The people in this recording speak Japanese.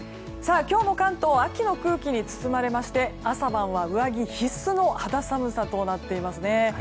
今日も関東秋の空気に包まれまして朝晩は上着必須の肌寒さとなっていますね。